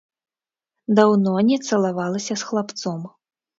Даўно не цалавалася з хлапцом.